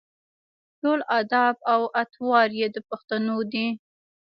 ټول اداب او اطوار یې د پښتنو دي.